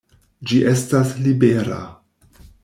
Ĝi estas libera!